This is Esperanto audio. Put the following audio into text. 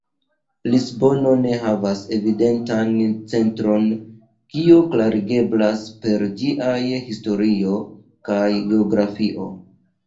Lisbono ne havas evidentan centron, kio klarigeblas per ĝiaj historio kaj geografio.